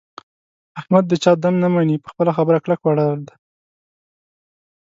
احمد د چا دم نه مني. په خپله خبره کلک ولاړ دی.